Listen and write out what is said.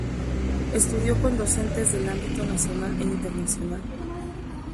Estudió con docentes del ámbito nacional e internacional.